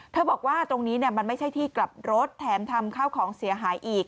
บอกว่าตรงนี้มันไม่ใช่ที่กลับรถแถมทำข้าวของเสียหายอีก